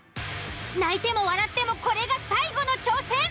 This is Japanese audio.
泣いても笑ってもこれが最後の挑戦。